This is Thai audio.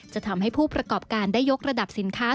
จะทำให้ผู้ประกอบการได้ยกระดับสินค้า